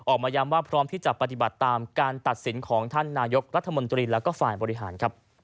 ออกมาย้ำว่าพร้อมที่จะปฏิบัติตามการตัดสินของท่านนายกรัฐมนตรีและฝ่ายบริหาร